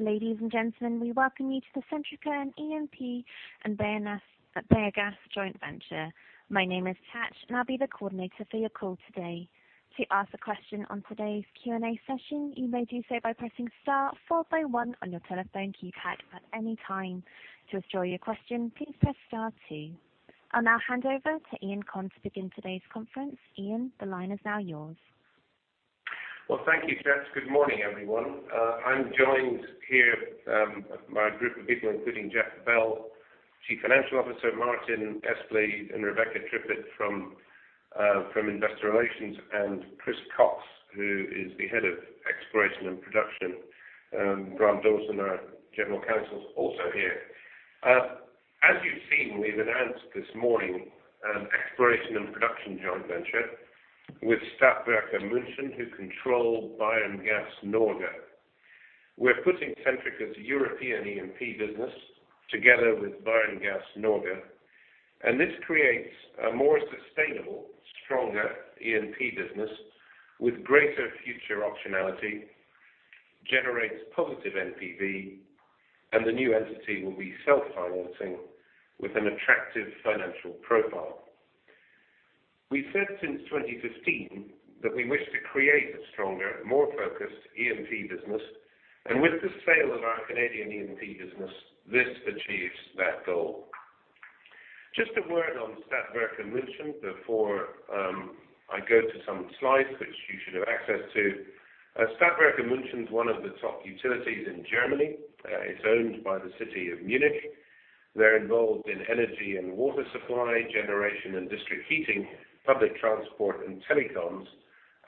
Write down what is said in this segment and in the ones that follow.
Ladies and gentlemen, we welcome you to the Centrica and E&P and Bayerngas joint venture. My name is Tat, and I will be the coordinator for your call today. To ask a question on today's Q&A session, you may do so by pressing star 441 on your telephone keypad at any time. To withdraw your question, please press star 2. I will now hand over to Iain Conn to begin today's conference. Iain, the line is now yours. Thank you, Tat. Good morning, everyone. I am joined here by a group of people, including Jeff Bell, Chief Financial Officer, Martin Espley, and Rebecca Trippett from Investor Relations, and Chris Cox, who is the head of Exploration & Production. Grant Dawson, our General Counsel, is also here. As you have seen, we have announced this morning an exploration and production joint venture with Stadtwerke München, who control Bayerngas Norge. We are putting Centrica's European E&P business together with Bayerngas Norge, and this creates a more sustainable, stronger E&P business with greater future optionality, generates positive NPV, and the new entity will be self-financing with an attractive financial profile. We have said since 2015 that we wish to create a stronger, more focused E&P business, and with the sale of our Canadian E&P business, this achieves that goal. Just a word on Stadtwerke München before I go to some slides, which you should have access to. Stadtwerke München is one of the top utilities in Germany. It is owned by the city of Munich. They are involved in energy and water supply, generation and district heating, public transport, telecoms.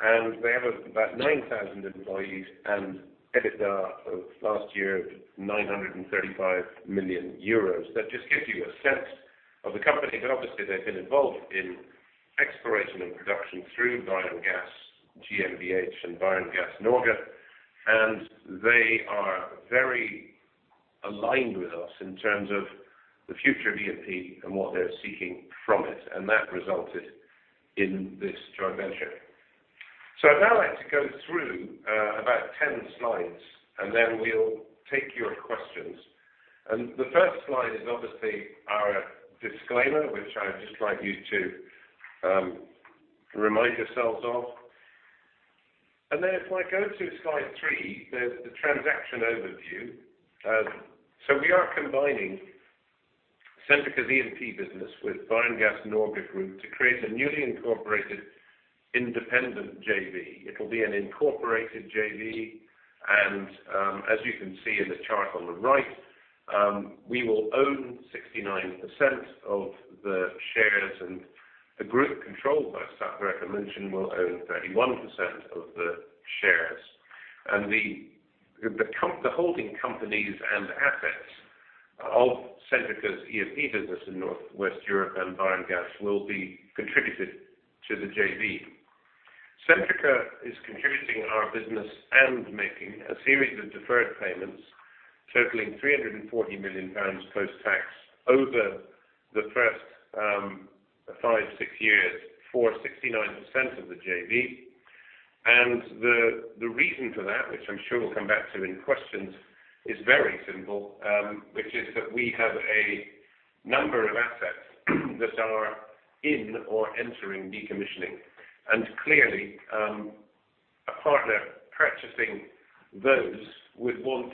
They have about 9,000 employees and EBITDA of last year of 935 million euros. That just gives you a sense of the company, obviously, they have been involved in exploration and production through Bayerngas GmbH and Bayerngas Norge, and they are very aligned with us in terms of the future of E&P and what they are seeking from it. That resulted in this joint venture. I would now like to go through about 10 slides, and then we will take your questions. The first slide is obviously our disclaimer, which I would just like you to remind yourselves of. If I go to slide three, the transaction overview. We are combining Centrica's E&P business with Bayerngas Norge group to create a newly incorporated independent JV. It will be an incorporated JV, and as you can see in the chart on the right, we will own 69% of the shares. The group controlled by Stadtwerke München will own 31% of the shares. The holding companies and assets of Centrica's E&P business in Northwest Europe and Bayerngas will be contributed to the JV. Centrica is contributing our business and making a series of deferred payments totaling 340 million pounds post-tax over the first five, six years for 69% of the JV. The reason for that, which I am sure we will come back to in questions, is very simple, which is that we have a number of assets that are in or entering decommissioning. Clearly, a partner purchasing those would want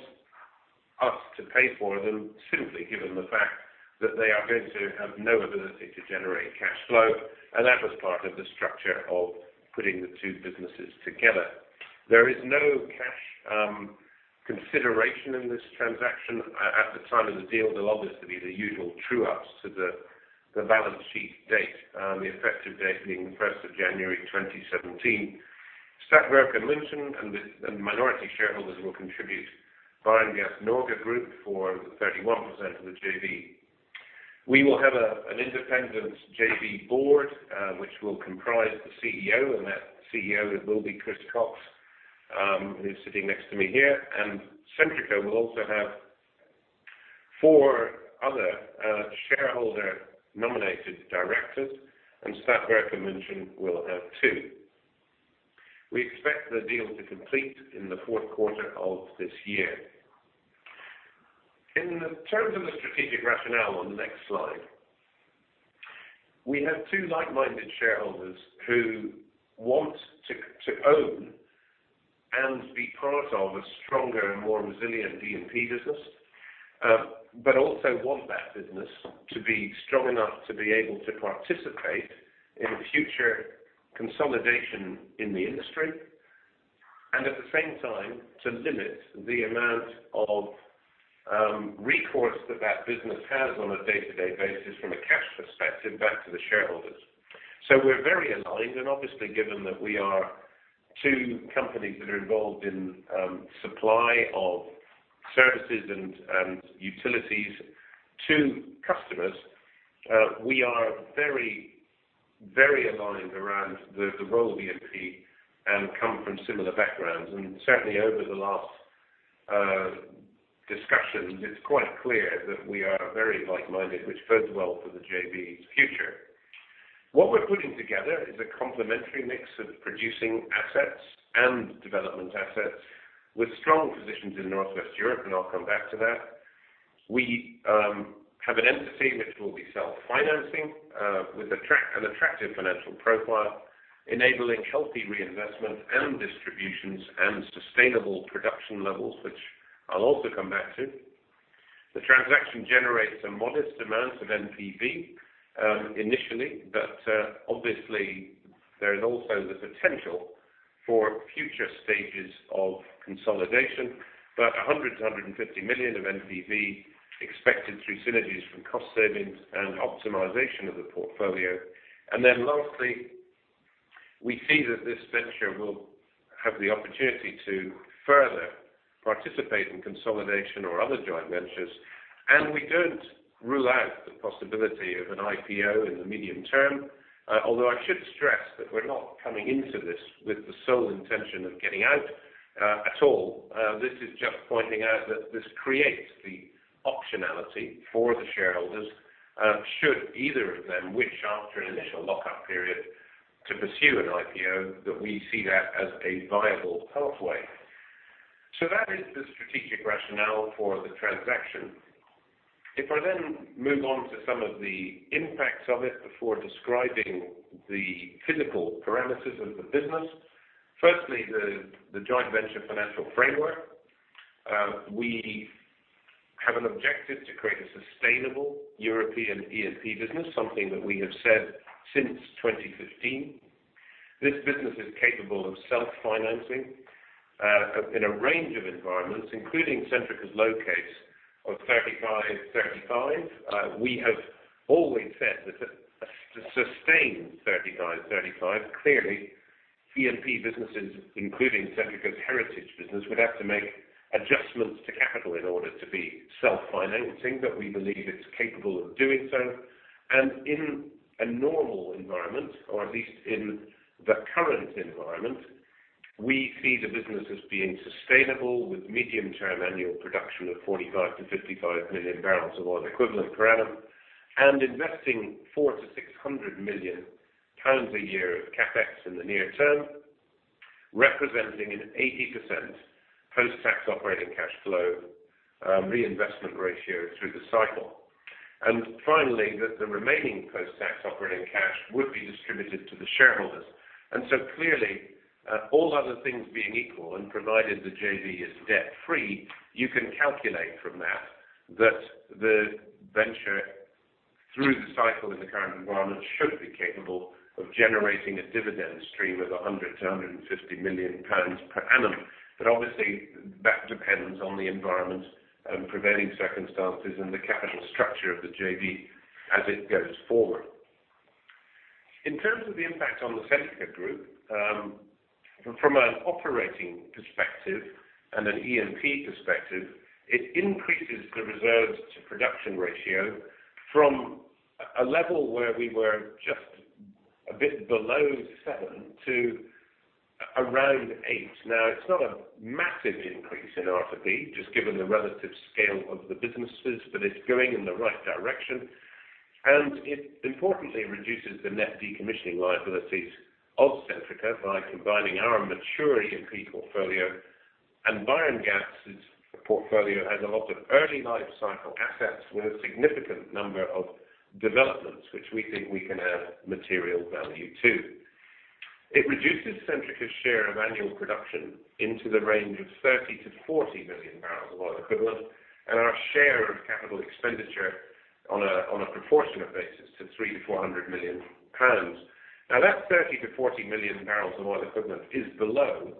us to pay for them simply given the fact that they are going to have no ability to generate cash flow, and that was part of the structure of putting the two businesses together. There is no cash consideration in this transaction at the time of the deal. There'll obviously be the usual true-ups to the balance sheet date, the effective date being the 1st of January 2017. Stadtwerke München and minority shareholders will contribute Bayerngas Norge group for 31% of the JV. We will have an independent JV board, which will comprise the CEO, and that CEO will be Chris Cox, who's sitting next to me here. Centrica will also have four other shareholder-nominated directors, and Stadtwerke München will have two. We expect the deal to complete in the fourth quarter of this year. In terms of the strategic rationale on the next slide, we have two like-minded shareholders who want to own and be part of a stronger and more resilient E&P business. Also want that business to be strong enough to be able to participate in future consolidation in the industry and at the same time, to limit the amount of recourse that that business has on a day-to-day basis from a cash perspective back to the shareholders. We're very aligned, and obviously, given that we are two companies that are involved in supply of services and utilities to customers, we are very, very aligned around the role of E&P and come from similar backgrounds. Certainly, over the last discussions, it's quite clear that we are very like-minded, which bodes well for the JV's future. What we're putting together is a complementary mix of producing assets and development assets with strong positions in Northwest Europe, and I'll come back to that. We have an entity which will be self-financing with an attractive financial profile, enabling healthy reinvestment and distributions and sustainable production levels, which I'll also come back to. The transaction generates a modest amount of NPV initially, obviously there is also the potential for future stages of consolidation. 100 million-150 million of NPV expected through synergies from cost savings and optimization of the portfolio. Lastly, we see that this venture will have the opportunity to further participate in consolidation or other joint ventures. We don't rule out the possibility of an IPO in the medium term, although I should stress that we're not coming into this with the sole intention of getting out at all. This is just pointing out that this creates the optionality for the shareholders should either of them wish, after an initial lock-up period, to pursue an IPO, that we see that as a viable pathway. That is the strategic rationale for the transaction. I move on to some of the impacts of it before describing the physical parameters of the business. Firstly, the joint venture financial framework. We have an objective to create a sustainable European E&P business, something that we have said since 2015. This business is capable of self-financing in a range of environments, including Centrica's low case of 35/35. We have always said that to sustain 35/35, clearly E&P businesses, including Centrica's heritage business, would have to make adjustments to capital in order to be self-financing, but we believe it's capable of doing so. In a normal environment, or at least in the current environment, we see the business as being sustainable with medium-term annual production of 45 to 55 million barrels of oil equivalent per annum and investing £400 million to £600 million a year of CapEx in the near term, representing an 80% post-tax operating cash flow reinvestment ratio through the cycle. Finally, that the remaining post-tax operating cash would be distributed to the shareholders. Clearly, all other things being equal and provided the JV is debt-free, you can calculate from that that the venture through the cycle in the current environment should be capable of generating a dividend stream of £100 million to £150 million per annum. Obviously that depends on the environment, prevailing circumstances and the capital structure of the JV as it goes forward. In terms of the impact on the Centrica group, from an operating perspective and an E&P perspective, it increases the reserves to production ratio from a level where we were just a bit below seven to around eight. It's not a massive increase in R2P, just given the relative scale of the businesses, but it's going in the right direction. It importantly reduces the net decommissioning liabilities of Centrica by combining our maturing E&P portfolio and Bayerngas's portfolio has a lot of early lifecycle assets with a significant number of developments which we think we can add material value to. It reduces Centrica's share of annual production into the range of 30 to 40 million barrels of oil equivalent, and our share of capital expenditure on a proportionate basis to £300 million to £400 million. That 30 to 40 million barrels of oil equivalent is below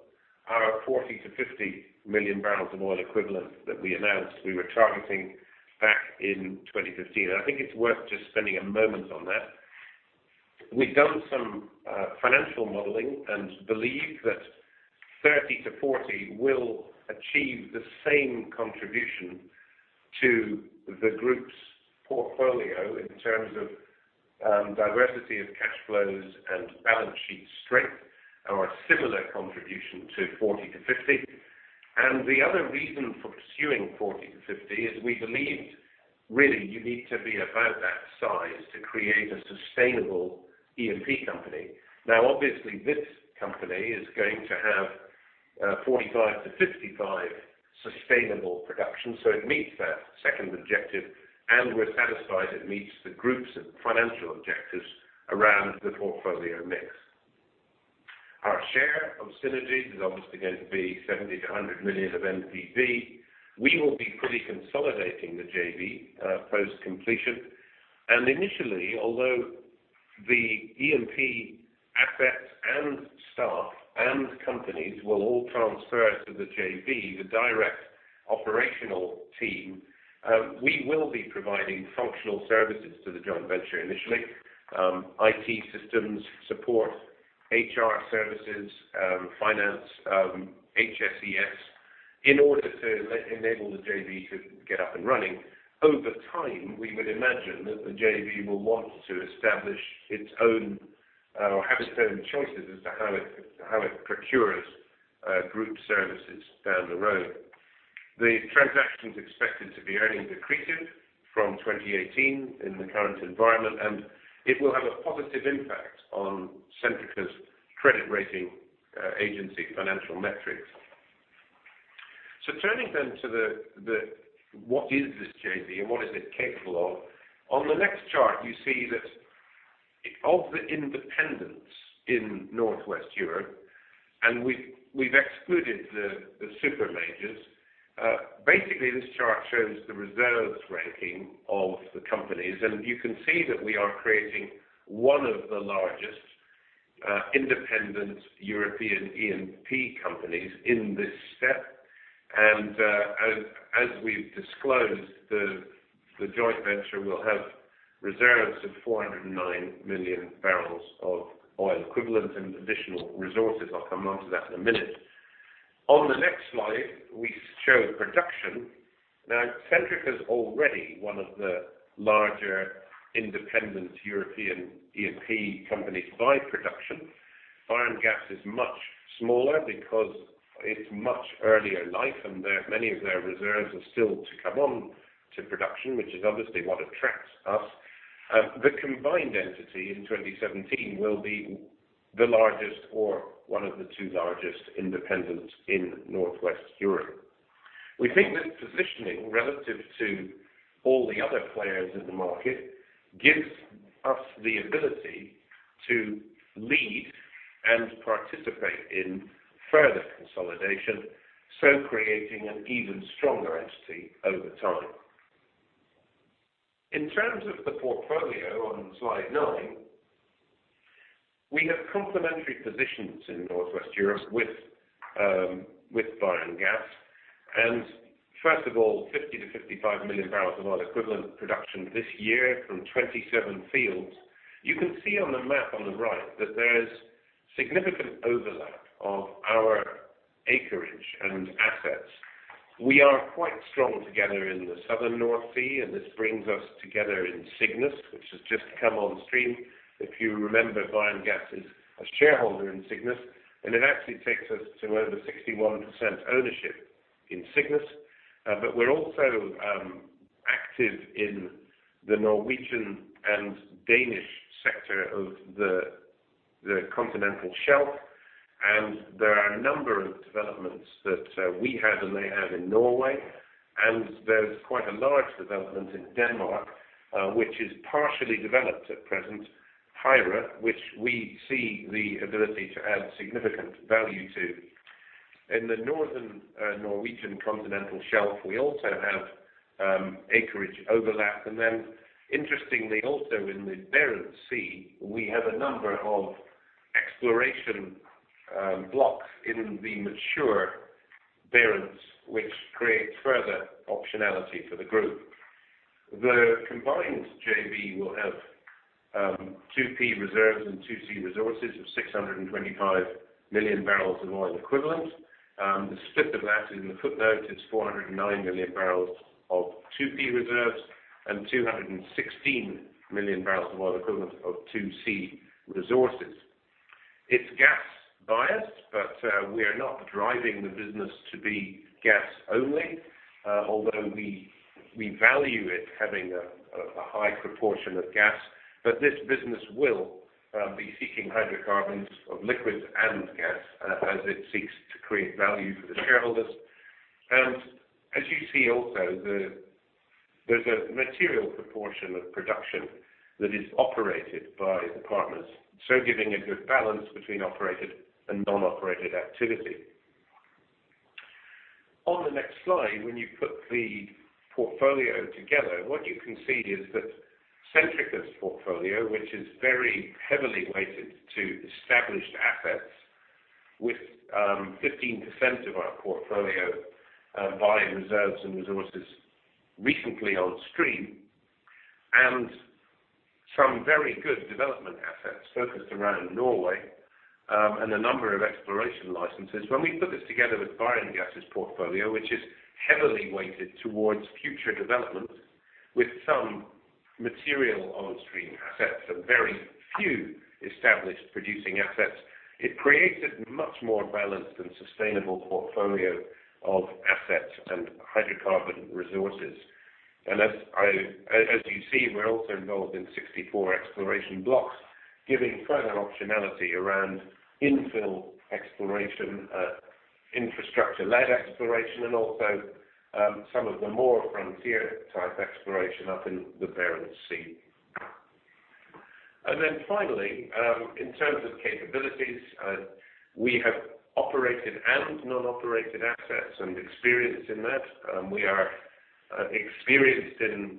our 40 to 50 million barrels of oil equivalent that we announced we were targeting back in 2015. I think it's worth just spending a moment on that. We've done some financial modeling and believe that 30 to 40 will achieve the same contribution to the group's portfolio in terms of diversity of cash flows and balance sheet strength or a similar contribution to 40 to 50. The other reason for pursuing 40 to 50 is we believed really you need to be about that size to create a sustainable E&P company. Obviously this company is going to have 45 to 55 sustainable production, so it meets that second objective and we're satisfied it meets the group's financial objectives around the portfolio mix. Our share of synergies is obviously going to be 70 to 100 million of NPV. We will be pre-consolidating the JV post-completion. Initially, although the E&P assets and staff and companies will all transfer to the JV, the direct operational team, we will be providing functional services to the joint venture initially. IT systems support, HR services, finance, HSES, in order to enable the JV to get up and running. Over time, we would imagine that the JV will want to establish its own or have its own choices as to how it procures group services down the road. The transaction is expected to be earning accretive from 2018 in the current environment, it will have a positive impact on Centrica's credit rating agency financial metrics. Turning then to what is this JV and what is it capable of, on the next chart, you see that of the independents in Northwest Europe, and we've excluded the super majors. Basically, this chart shows the reserves ranking of the companies, and you can see that we are creating one of the largest independent European E&P companies in this step. As we've disclosed, the joint venture will have reserves of 409 million barrels of oil equivalent and additional resources. I'll come on to that in a minute. On the next slide, we show production. Centrica is already one of the larger independent European E&P companies by production. Bayerngas Norge is much smaller because it's much earlier life, and many of their reserves are still to come on to production, which is obviously what attracts us. The combined entity in 2017 will be the largest or one of the two largest independents in Northwest Europe. We think this positioning, relative to all the other players in the market, gives us the ability to lead and participate in further consolidation, creating an even stronger entity over time. In terms of the portfolio on slide nine, we have complementary positions in Northwest Europe with Bayerngas Norge. First of all, 50 to 55 million barrels of oil equivalent production this year from 27 fields. You can see on the map on the right that there is significant overlap of our acreage and assets. We are quite strong together in the southern North Sea, and this brings us together in Cygnus, which has just come on stream. If you remember, Bayerngas Norge is a shareholder in Cygnus, and it actually takes us to over 61% ownership in Cygnus. We're also active in the Norwegian and Danish sector of the continental shelf, and there are a number of developments that we have and they have in Norway. There's quite a large development in Denmark, which is partially developed at present, Hejre, which we see the ability to add significant value to. In the northern Norwegian continental shelf, we also have acreage overlap. Then interestingly also in the Barents Sea, we have a number of exploration blocks in the mature Barents, which creates further optionality for the group. The combined JV will have 2P reserves and 2C resources of 625 million barrels of oil equivalent. The split of that is in the footnote. It's 409 million barrels of 2P reserves and 216 million barrels of oil equivalent of 2C resources. It's gas-biased, we are not driving the business to be gas only. Although we value it having a high proportion of gas. This business will be seeking hydrocarbons of liquids and gas as it seeks to create value for the shareholders. As you see also, there's a material proportion of production that is operated by the partners. Giving a good balance between operated and non-operated activity. On the next slide, when you put the portfolio together, what you can see is that Centrica's portfolio, which is very heavily weighted to established assets with 15% of our portfolio Bayerngas Norge reserves and resources recently on stream and some very good development assets focused around Norway, and a number of exploration licenses. When we put this together with Bayerngas portfolio, which is heavily weighted towards future development with some material on stream assets and very few established producing assets, it creates a much more balanced and sustainable portfolio of assets and hydrocarbon resources. As you see, we are also involved in 64 exploration blocks, giving further optionality around infill exploration, infrastructure-led exploration, and also some of the more frontier type exploration up in the Barents Sea. Then finally, in terms of capabilities, we have operated and non-operated assets and experience in that. We are experienced in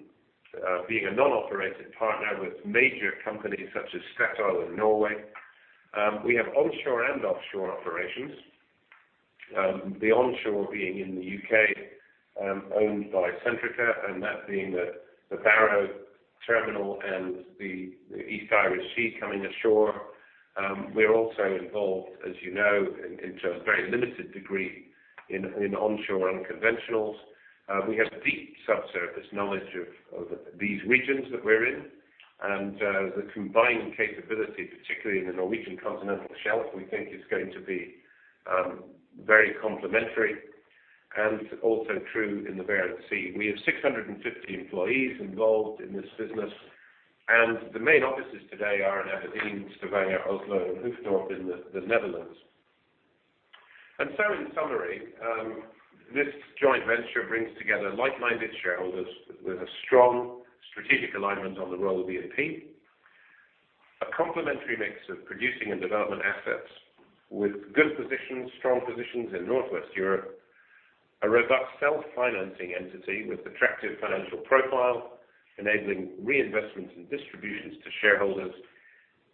being a non-operated partner with major companies such as Statoil in Norway. We have onshore and offshore operations. The onshore being in the U.K., owned by Centrica, and that being the Barrow Terminal and the East Irish Sea coming ashore. We are also involved, as you know, in terms of very limited degree in onshore unconventionals. We have deep subsurface knowledge of these regions that we are in. The combined capability, particularly in the Norwegian Continental Shelf, we think is going to be very complementary, and also true in the Barents Sea. We have 650 employees involved in this business. The main offices today are in Aberdeen, Stavanger, Oslo, and Hoofddorp in the Netherlands. In summary, this joint venture brings together like-minded shareholders with a strong strategic alignment on the role of E&P. A complementary mix of producing and development assets with good positions, strong positions in Northwest Europe. A robust self-financing entity with attractive financial profile, enabling reinvestments and distributions to shareholders.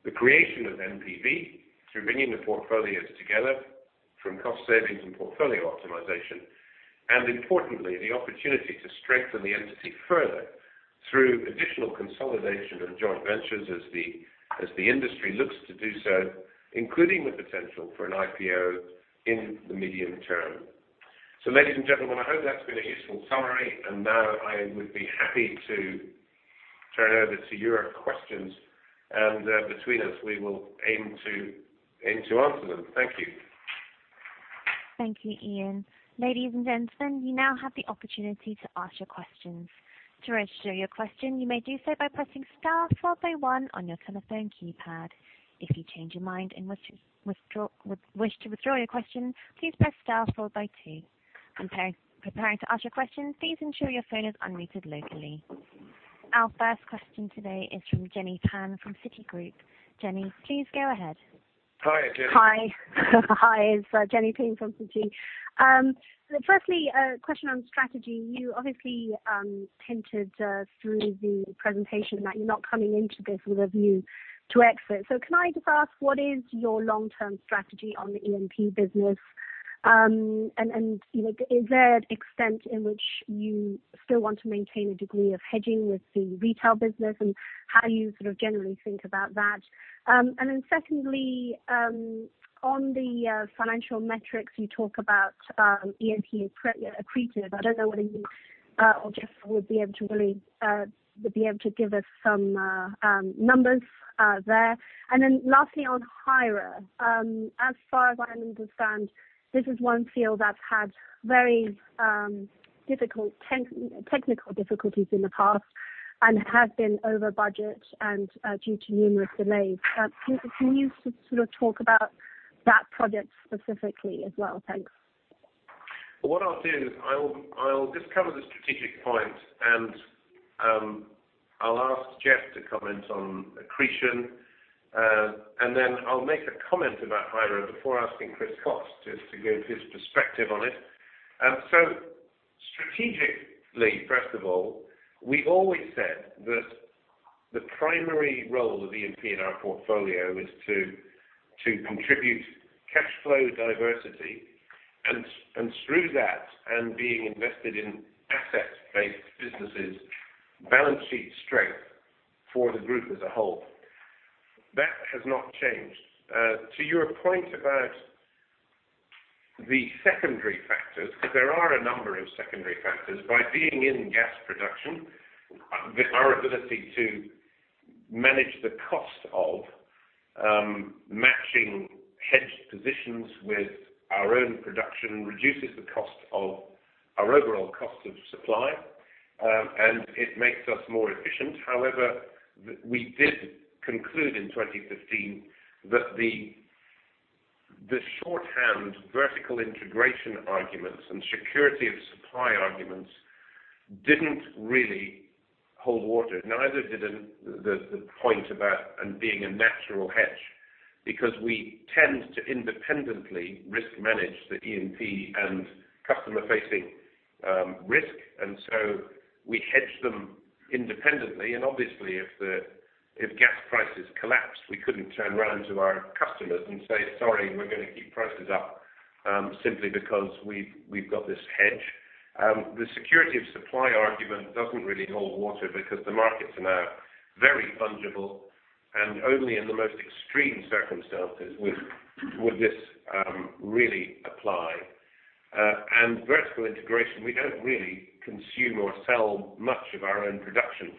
The creation of NPV through bringing the portfolios together from cost savings and portfolio optimization. Importantly, the opportunity to strengthen the entity further through additional consolidation of joint ventures as the industry looks to do so, including the potential for an IPO in the medium term. Ladies and gentlemen, I hope that's been a useful summary, and now I would be happy to turn over to your questions. Between us, we will aim to answer them. Thank you. Thank you, Iain. Ladies and gentlemen, you now have the opportunity to ask your questions. To register your question, you may do so by pressing star followed by one on your telephone keypad. If you change your mind and wish to withdraw your question, please press star followed by two. When preparing to ask your question, please ensure your phone is unmuted locally. Our first question today is from Jenny Pan from Citigroup. Jenny, please go ahead. Hi, Jenny. Hi. It's Jenny Pan from Citigroup. Firstly, a question on strategy. You obviously hinted through the presentation that you're not coming into this with a view to exit. Can I just ask, what is your long-term strategy on the E&P business? Is there an extent in which you still want to maintain a degree of hedging with the retail business, and how you sort of generally think about that? Secondly, on the financial metrics you talk about E&P accretive. I don't know whether you or Jeff would be able to give us some numbers there. Lastly, on Hejre. As far as I understand, this is one field that had very technical difficulties in the past and has been over budget and due to numerous delays. Can you sort of talk about that project specifically as well? Thanks. What I'll do is I'll just cover the strategic point, and I'll ask Jeff to comment on accretion. I'll make a comment about Hejre before asking Chris Cox just to give his perspective on it. Strategically, first of all, we always said that the primary role of E&P in our portfolio is to contribute cash flow diversity, and through that, and being invested in asset-based businesses, balance sheet strength for the group as a whole. That has not changed. To your point about the secondary factors, because there are a number of secondary factors, by being in gas production, our ability to manage the cost of matching hedged positions with our own production reduces the cost of our overall cost of supply, and it makes us more efficient. However, we did conclude in 2015 that the shorthand vertical integration arguments and security of supply arguments didn't really hold water. Neither did the point about being a natural hedge, because we tend to independently risk manage the E&P and customer-facing risk. We hedge them independently. Obviously, if gas prices collapsed, we couldn't turn around to our customers and say, "Sorry, we're going to keep prices up simply because we've got this hedge." The security of supply argument doesn't really hold water because the markets are now very fungible, and only in the most extreme circumstances would this really apply. Vertical integration, we don't really consume or sell much of our own production.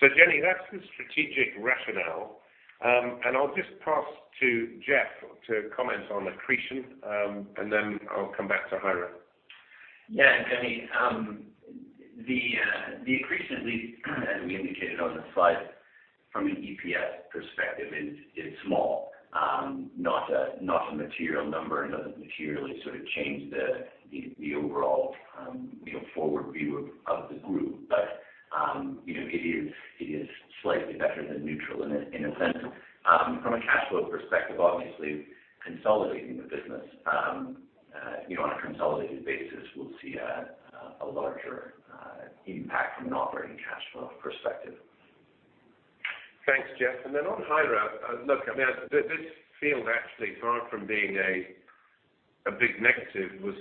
Jenny, that's the strategic rationale. I'll just pass to Jeff to comment on accretion, and then I'll come back to Hejre. Jenny, the accretion, as we indicated on the slide from an EPS perspective, is small. Not a material number, doesn't materially sort of change the overall forward view of the group. It is slightly better than neutral in a sense. From a cash flow perspective, obviously, consolidating the business on a consolidated basis, we'll see a larger impact from an operating cash flow perspective. Thanks, Jeff. Then on Hejre, look, I mean, this field actually, far from being a big negative, was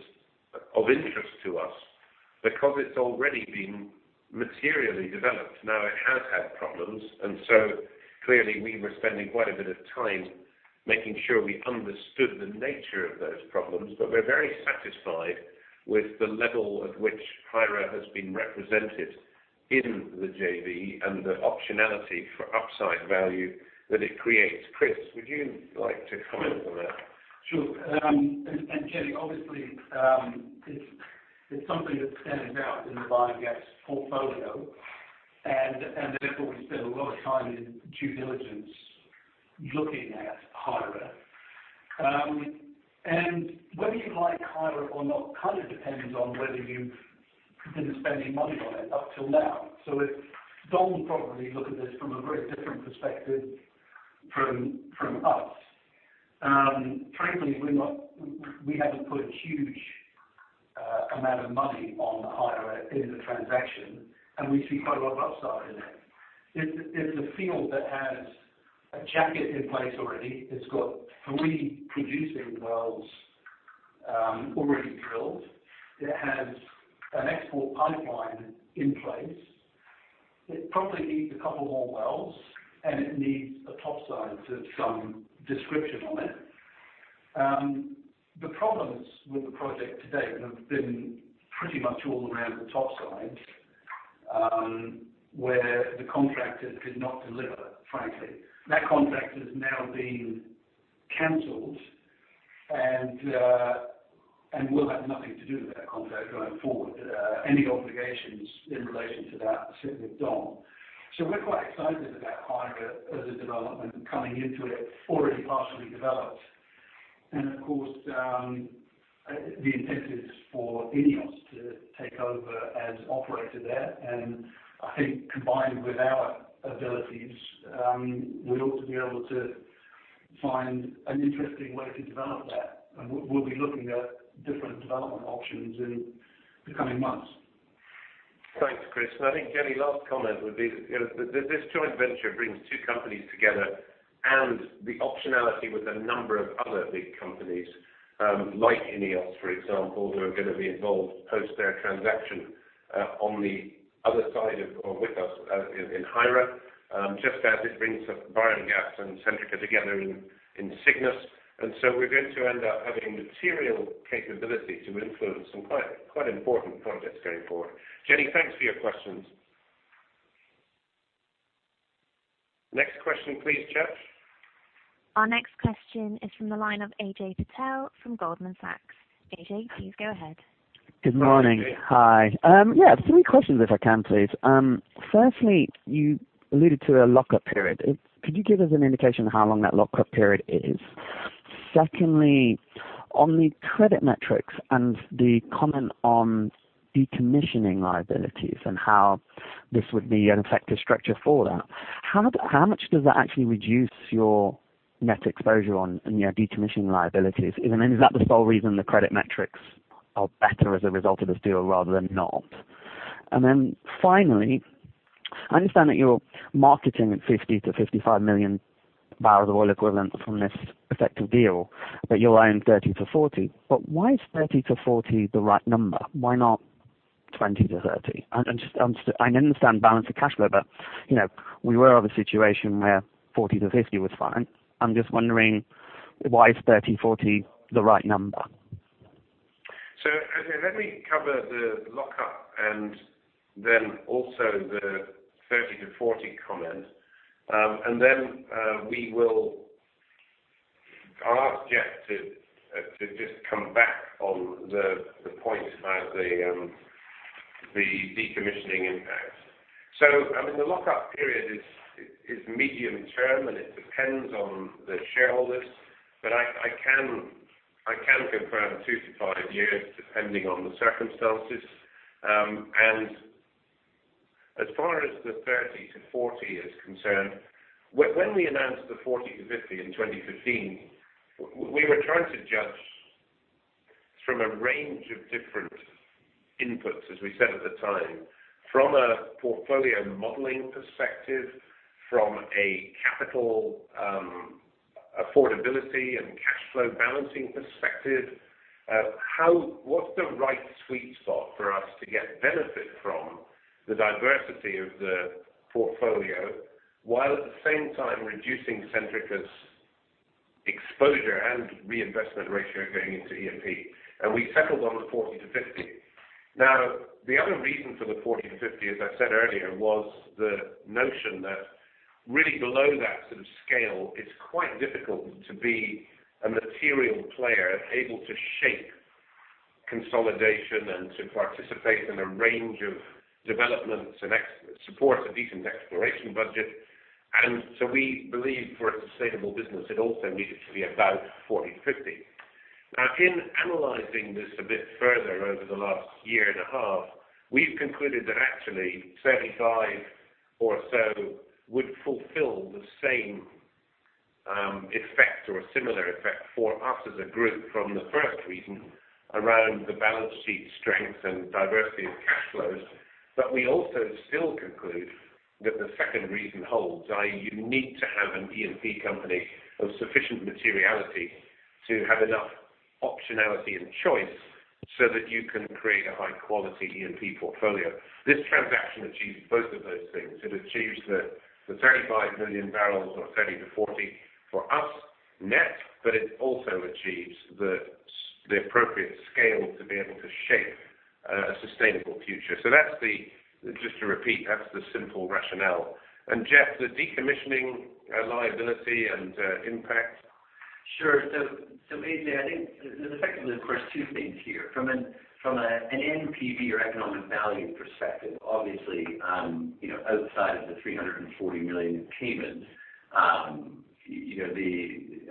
of interest to us because it's already been materially developed. Now it has had problems. So clearly, we were spending quite a bit of time making sure we understood the nature of those problems. We're very satisfied with the level at which Hejre has been represented in the JV and the optionality for upside value that it creates. Chris, would you like to comment on that? Sure. Jenny, obviously, it's something that stands out in the Bayerngas portfolio, therefore we spend a lot of time in due diligence looking at Hejre. Whether you like Hejre or not kind of depends on whether you've been spending money on it up till now. DONG would probably look at this from a very different perspective from us. Frankly, we hadn't put a huge amount of money on Hejre in the transaction, we see quite a lot of upside in it. It's a field that has a jacket in place already. It's got three producing wells already drilled. It has an export pipeline in place. It probably needs a couple more wells, and it needs a top side to some description on it. The problems with the project to date have been pretty much all around the top side, where the contractors could not deliver, frankly. That contract has now been canceled, and we'll have nothing to do with that contract going forward. Any obligations in relation to that sit with DONG. We're quite excited about Hejre as a development coming into it already partially developed. Of course, the intent is for Ineos to take over as operator there. I think combined with our abilities, we ought to be able to find an interesting way to develop that. We'll be looking at different development options in the coming months. Thanks, Chris. I think, Jenny, last comment would be that this joint venture brings two companies together and the optionality with a number of other big companies, like Ineos, for example, who are going to be involved post their transaction on the other side or with us in Hejre, just as it brings Bayerngas and Centrica together in Cygnus. We're going to end up having material capability to influence some quite important projects going forward. Jenny, thanks for your questions. Next question please, Chad. Our next question is from the line of AJ Patel from Goldman Sachs. AJ, please go ahead. Hi, AJ. Good morning. Hi. Three questions if I can, please. Firstly, you alluded to a lockup period. Could you give us an indication of how long that lockup period is? Secondly, on the credit metrics and the comment on decommissioning liabilities and how this would be an effective structure for that, how much does that actually reduce your net exposure on your decommissioning liabilities? Is that the sole reason the credit metrics are better as a result of this deal rather than not? Finally, I understand that you're marketing at 50 million-55 million barrels oil equivalent from this effective deal, but you're eyeing 30-40. Why is 30-40 the right number? Why not 20-30? I understand balance of cash flow, but we were of a situation where 40-50 was fine. I'm just wondering why is 30, 40 the right number? AJ, let me cover the lockup and then also the 30-40 comment. Then I'll ask Jeff to just come back on the point about the decommissioning impact. The lockup period is medium-term, and it depends on the shareholders, but I can confirm two to five years, depending on the circumstances. As far as the 30-40 is concerned, when we announced the 40-50 in 2015, we were trying to judge from a range of different inputs, as we said at the time. From a portfolio modeling perspective, from a capital affordability and cash flow balancing perspective, what's the right sweet spot for us to get benefit from the diversity of the portfolio, while at the same time reducing Centrica's exposure and reinvestment ratio going into E&P? We settled on the 40-50. The other reason for the 40-50, as I said earlier, was the notion that really below that sort of scale, it's quite difficult to be a material player able to shape consolidation and to participate in a range of developments and support a decent exploration budget. We believe for a sustainable business, it also needed to be about 40-50. In analyzing this a bit further over the last year and a half, we've concluded that actually 35 or so would fulfill the same effect or a similar effect for us as a group from the first reason around the balance sheet strength and diversity of cash flows. We also still conclude that the second reason holds, i.e., you need to have an E&P company of sufficient materiality to have enough optionality and choice so that you can create a high-quality E&P portfolio. This transaction achieves both of those things. It achieves the 35 million barrels or 30-40 for us net, it also achieves the appropriate scale to be able to shape a sustainable future. Just to repeat, that's the simple rationale. Jeff, the decommissioning liability and impact? Sure. Maybe I think there's effectively, of course, two things here. From an NPV or economic value perspective, obviously, outside of the 340 million payment, the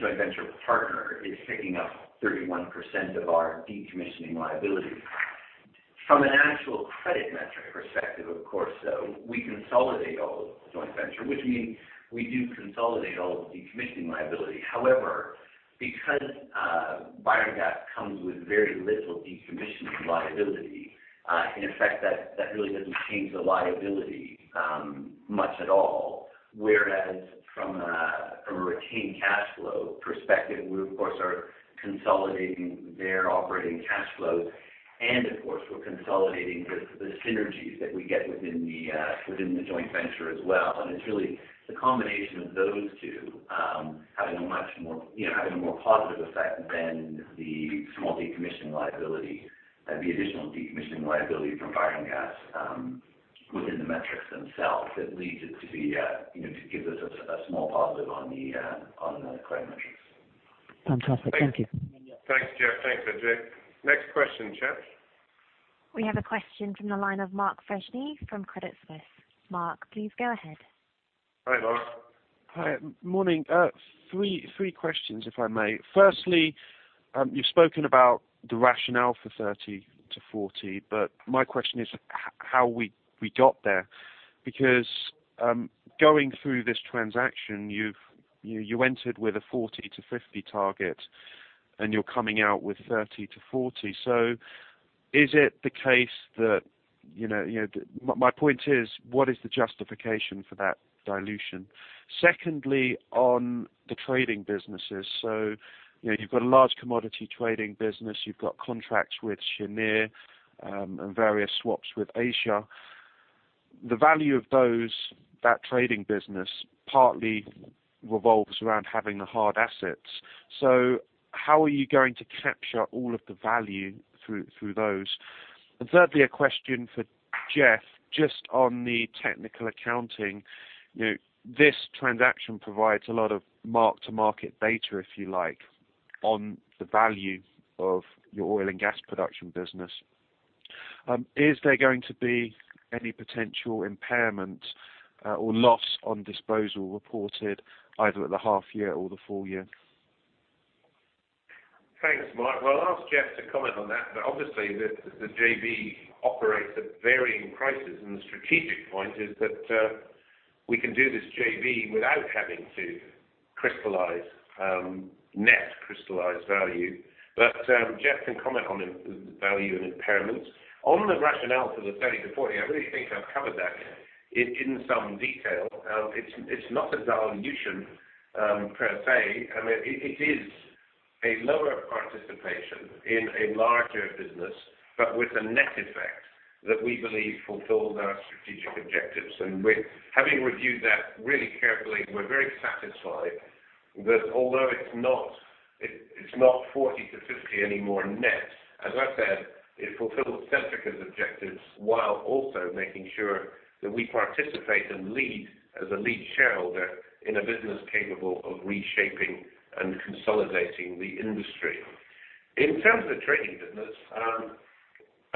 joint venture partner is taking up 31% of our decommissioning liability. From an actual credit metric perspective, of course, we consolidate all of the joint venture, which means we do consolidate all of the decommissioning liability. However, because Bayerngas comes with very little decommissioning liability, in effect that really doesn't change the liability much at all. Whereas from a retained cash flow perspective, we, of course, are consolidating their operating cash flows and, of course, we're consolidating the synergies that we get within the joint venture as well. It's really the combination of those two having a more positive effect than the small decommissioning liability, the additional decommissioning liability from Bayerngas within the metrics themselves, that leads it to give us a small positive on the credit metrics. Fantastic. Thank you. Thanks, Jeff. Thanks, AJ. Next question, Jess? We have a question from the line of Mark Freshney from Credit Suisse. Mark, please go ahead. Hi, Mark. Hi. Morning. Three questions, if I may. Firstly, you've spoken about the rationale for 30-40, My question is how we got there. Going through this transaction, you entered with a 40-50 target, and you're coming out with 30-40. My point is, what is the justification for that dilution? Secondly, on the trading businesses. You've got a large commodity trading business. You've got contracts with Cheniere and various swaps with Asia. The value of that trading business partly revolves around having the hard assets. How are you going to capture all of the value through those? And thirdly, a question for Jeff, just on the technical accounting. This transaction provides a lot of mark-to-market data, if you like, on the value of your oil and gas production business. Is there going to be any potential impairment or loss on disposal reported either at the half year or the full year? Thanks, Mark. I'll ask Jeff to comment on that. Obviously, the JV operates at varying prices, and the strategic point is that we can do this JV without having to net crystallize value. Jeff can comment on value and impairments. On the rationale for the 30-40, I really think I've covered that in some detail. It's not a dilution per se. It is a lower participation in a larger business, but with a net effect that we believe fulfills our strategic objectives. Having reviewed that really carefully, we're very satisfied that although it's not 40-50 anymore net, as I said, it fulfills Centrica's objectives while also making sure that we participate and lead as a lead shareholder in a business capable of reshaping and consolidating the industry. In terms of the trading business,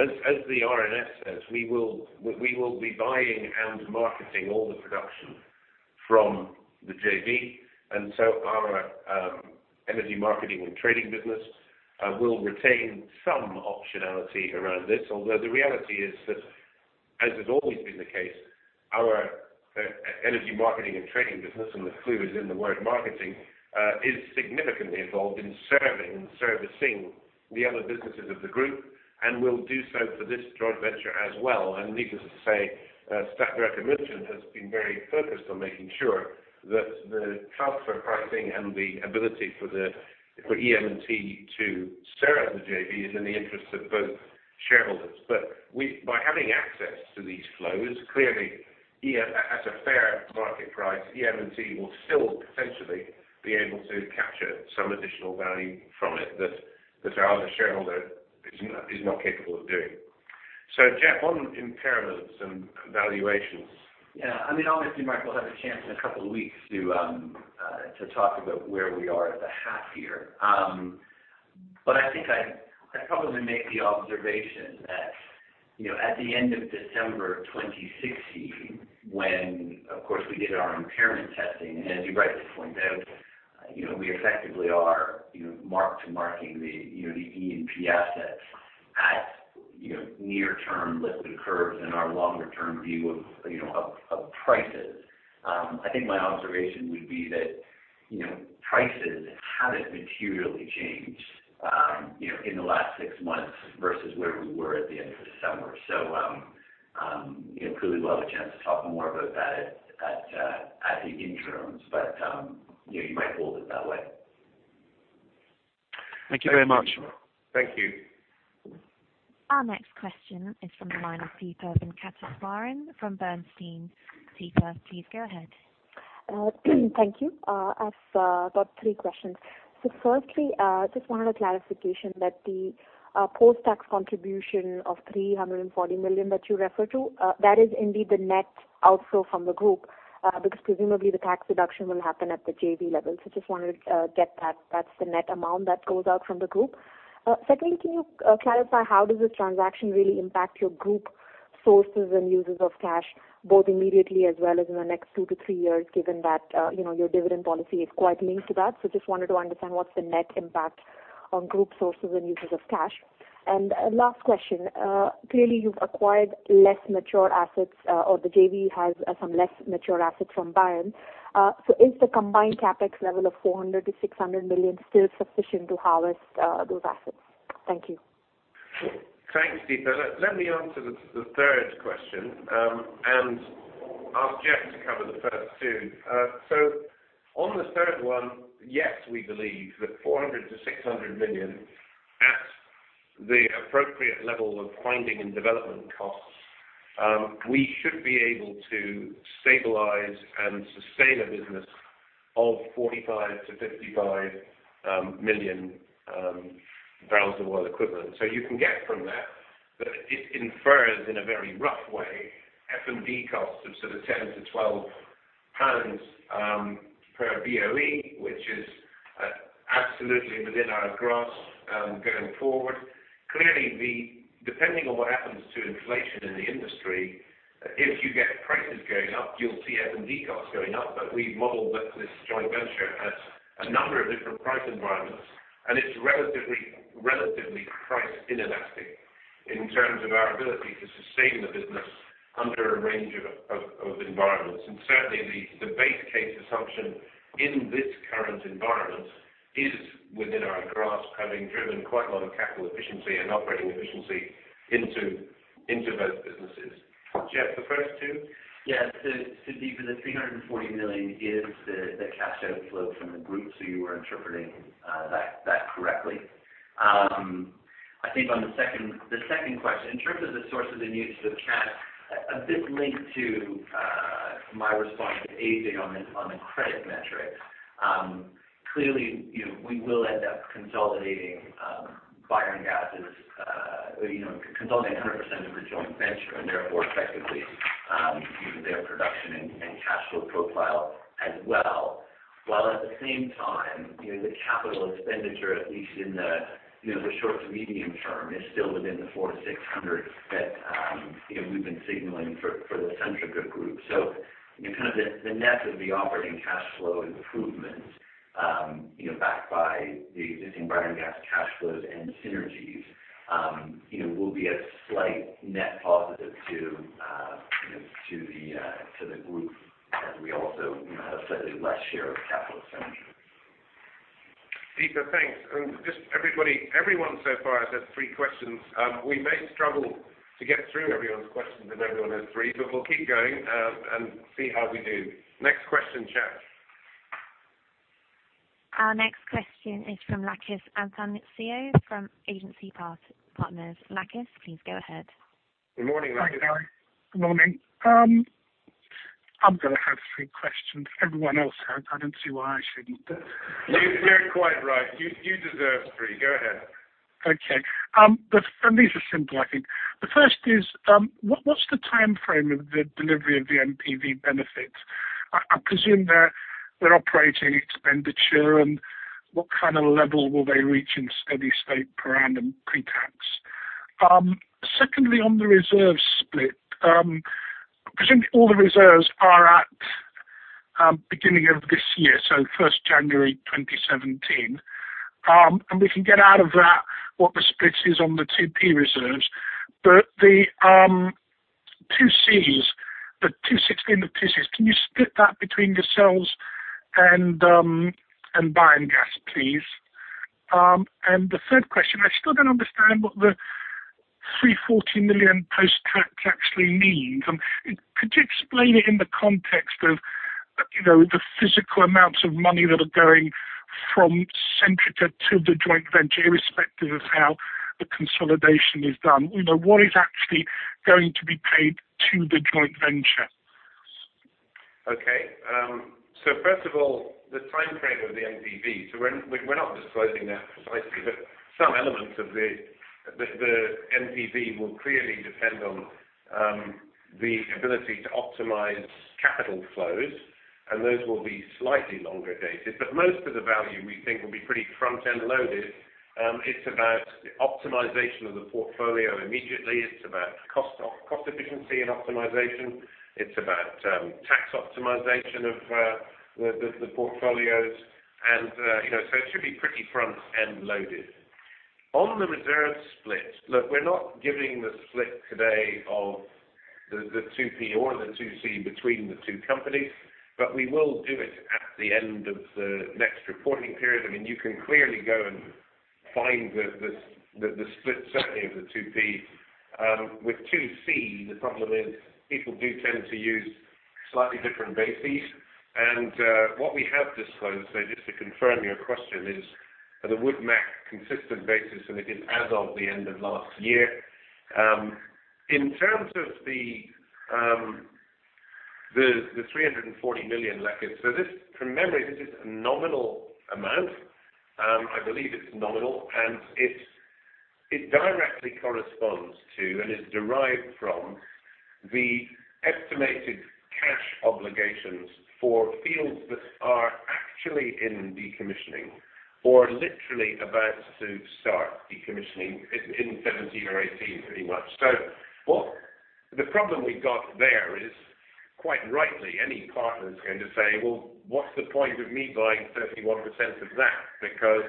as the RNS says, we will be buying and marketing all the production from the JV, and so our energy marketing and trading business will retain some optionality around this. Although the reality is that, as has always been the case, our energy marketing and trading business, and the clue is in the word marketing, is significantly involved in serving and servicing the other businesses of the group and will do so for this joint venture as well. Needless to say, staff recognition has been very focused on making sure that the transfer pricing and the ability for EM&T to serve the JV is in the interest of both shareholders. By having access to these flows, clearly, at a fair market price, EM&T will still potentially be able to capture some additional value from it that our other shareholder is not capable of doing. Jeff, on impairments and valuations. Obviously, Mark, we'll have a chance in a couple of weeks to talk about where we are at the half year. I think I'd probably make the observation that at the end of December 2016, when, of course, we did our impairment testing, and as you rightly point out, we effectively are mark to marking the E&P assets at near term lifted curves and our longer-term view of prices. I think my observation would be that prices haven't materially changed in the last six months versus where we were at the end of the summer. Clearly, we'll have a chance to talk more about that at the interims, but you might hold it that way. Thank you very much. Thank you. Our next question is from the line of Deepa Venkateswaran from Bernstein. Deepa, please go ahead. Thank you. I've got three questions. Firstly, just wanted a clarification that the post-tax contribution of 340 million that you refer to, that is indeed the net outflow from the group, because presumably the tax deduction will happen at the JV level. Just wanted to get that. That's the net amount that goes out from the group. Secondly, can you clarify how does this transaction really impact your group sources and uses of cash, both immediately as well as in the next two to three years, given that your dividend policy is quite linked to that? Just wanted to understand what's the net impact on group sources and uses of cash. Last question. Clearly, you've acquired less mature assets, or the JV has some less mature assets from Bayerngas. Is the combined CapEx level of 400 million-600 million still sufficient to harvest those assets? Thank you. Thanks, Deepa. Let me answer the third question. Ask Jeff to cover the first two. On the third one, yes, we believe that 400 million-600 million at the appropriate level of finding and development costs, we should be able to stabilize and sustain a business of 45 million-55 million barrels of oil equivalent. You can get from that, but it infers in a very rough way, F&D costs of sort of 10-12 pounds per BOE, which is absolutely within our grasp going forward. Clearly, depending on what happens to inflation in the industry, if you get prices going up, you'll see F&D costs going up. We've modeled that this joint venture has a number of different price environments. It's relatively price inelastic in terms of our ability to sustain the business under a range of environments. Certainly, the base case assumption in this current environment is within our grasp, having driven quite a lot of capital efficiency and operating efficiency into both businesses. Jeff, the first two? Deepa, the 340 million is the cash outflow from the group. You are interpreting that correctly. I think on the second question, in terms of the sources and uses of cash, a bit linked to my response to AJ on the credit metrics. Clearly, we will end up consolidating Bayerngas'-- consolidating 100% of the joint venture and therefore effectively their production and cash flow profile as well. While at the same time, the capital expenditure, at least in the short to medium term, is still within the 400 million-600 million that we've been signaling for the Centrica group. Kind of the net of the operating cash flow improvement, backed by the existing Bayerngas cash flows and synergies will be a slight net positive to the group as we also have suddenly less share of capital expenditure. Deepa, thanks. Just everybody, everyone so far has had three questions. We may struggle to get through everyone's questions if everyone has three, we'll keep going, and see how we do. Next question, Chad. Our next question is from Lakis Athanasiou from Agency Partners. Lakis, please go ahead. Good morning, Lakis. Good morning. I'm going to have three questions. Everyone else has. I don't see why I shouldn't. You're quite right. You deserve three. Go ahead. Okay. These are simple, I think. The first is, what's the timeframe of the delivery of the NPV benefit? I presume they're operating expenditure and what kind of level will they reach in steady state per annum pre-tax? Secondly, on the reserve split. Presumably all the reserves are at beginning of this year, so 1st January 2017. We can get out of that what the split is on the 2P reserves. The 2Cs, the 216 of 2Cs, can you split that between yourselves and Bayerngas, please? The third question, I still don't understand what the 340 million post-tax actually means. Could you explain it in the context of the physical amounts of money that are going from Centrica to the joint venture, irrespective of how the consolidation is done? What is actually going to be paid to the joint venture? Okay. First of all, the timeframe of the NPV. We're not disclosing that precisely, but some elements of the NPV will clearly depend on the ability to optimize capital flows, and those will be slightly longer dated. Most of the value we think will be pretty front-end loaded. It's about optimization of the portfolio immediately. It's about cost efficiency and optimization. It's about tax optimization of the portfolios. It should be pretty front-end loaded. On the reserve split. Look, we're not giving the split today the 2P or the 2C between the two companies. We will do it at the end of the next reporting period. You can clearly go and find the split set of the 2P. With 2C, the problem is people do tend to use slightly different bases. What we have disclosed, so just to confirm your question, is the Woodmac consistent basis, and it is as of the end of last year. In terms of the 340 million liabilities. From memory, this is a nominal amount. I believe it's nominal, and it directly corresponds to and is derived from the estimated cash obligations for fields that are actually in decommissioning or literally about to start decommissioning in 2017 or 2018, pretty much. The problem we've got there is, quite rightly, any partner is going to say, "Well, what's the point of me buying 31% of that? Because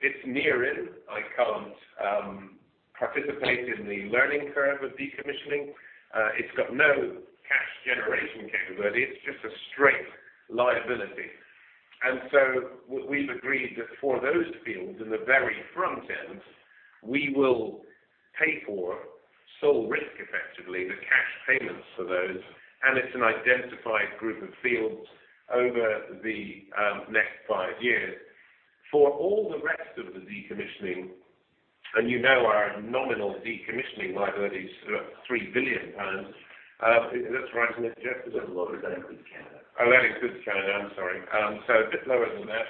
it's near in. I can't participate in the learning curve of decommissioning. It's got no cash generation capability. It's just a straight liability." We've agreed that for those fields in the very front end, we will pay for sole risk, effectively, the cash payments for those, and it's an identified group of fields over the next five years. For all the rest of the decommissioning, you know our nominal decommissioning liability is sort of GBP 3 billion. Is that right, Nick, Jeff, is it? That's lower. That includes Canada. Oh, that includes Canada, I'm sorry. A bit lower than that.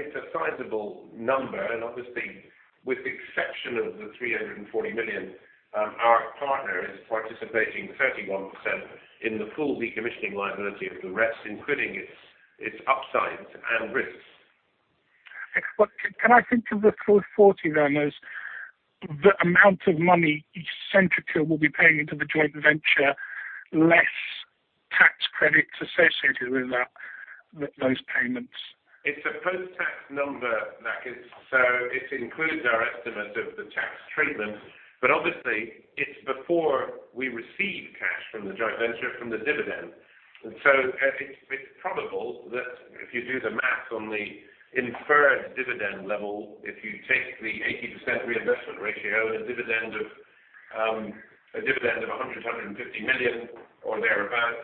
It's a sizable number, and obviously, with the exception of the 340 million, our partner is participating 31% in the full decommissioning liability of the rest, including its upsides and risks. Can I think of the 340 then as the amount of money Centrica will be paying into the joint venture, less tax credits associated with those payments? It's a post-tax number. It includes our estimate of the tax treatment. Obviously, it's before we receive cash from the joint venture from the dividend. It's probable that if you do the math on the inferred dividend level, if you take the 80% reinvestment ratio and a dividend of 100 million-150 million or thereabout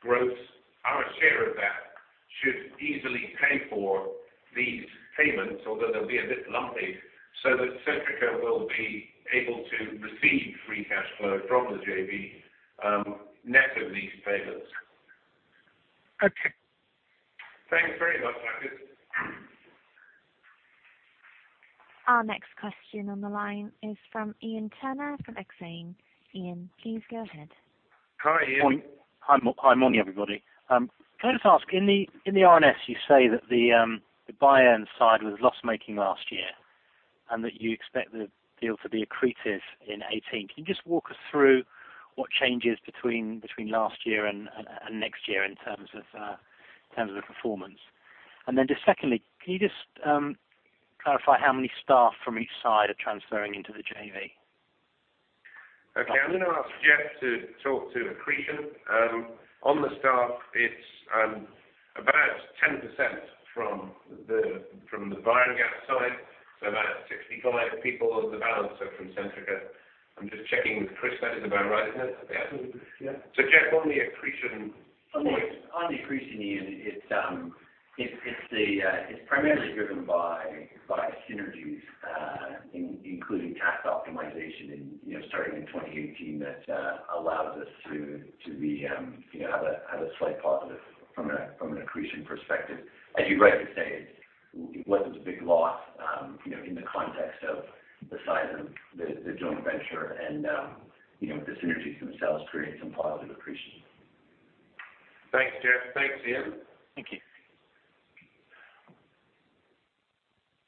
gross, our share of that should easily pay for these payments, although they'll be a bit lumpy, so that Centrica will be able to receive free cash flow from the JV net of these payments. Okay. Thanks very much, Marcus. Our next question on the line is from Iain Turner from Exane. Iain, please go ahead. Hi, Iain. Hi, morning everybody. Can I just ask, in the RNS you say that the Bayerngas side was loss-making last year, and that you expect the deal to be accretive in 2018. Can you just walk us through what changes between last year and next year in terms of the performance? Then just secondly, can you just clarify how many staff from each side are transferring into the JV? Okay. I'm going to ask Jeff to talk to accretion. On the staff, it's about 10% from the Bayerngas side, so about 65 people on the balance are from Centrica. I'm just checking with Chris. That is about right, isn't it? Yeah. Jeff, on the accretion point. On the accretion, Iain, it's primarily driven by synergies, including tax optimization starting in 2018 that allows us to have a slight positive from an accretion perspective. As you rightly say, it wasn't a big loss in the context of the size of the joint venture. The synergies themselves create some positive accretion. Thanks, Jeff. Thanks, Iain. Thank you.